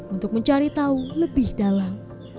untuk mencari tahu lebih dalam